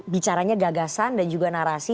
bicaranya gagasan dan juga narasi